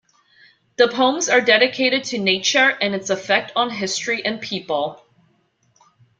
The poems are dedicated to nature and its effect on history and people.